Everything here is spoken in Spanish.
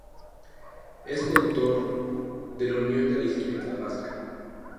Es coautor de "La unión de la izquierda vasca.